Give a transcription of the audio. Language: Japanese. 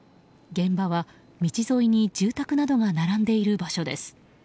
現場は道沿いに住宅などが並んでいる場所です。